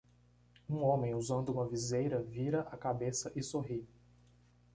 Um homem usando uma viseira vira a cabeça e sorri.